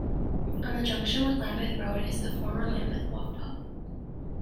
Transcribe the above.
On the junction with Lambeth Road is the former Lambeth Walk pub.